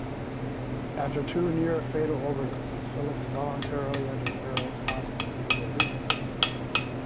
After two near-fatal overdoses, Phillips voluntarily entered Fair Oaks Hospital to undergo treatment.